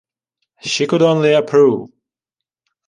She could only approve.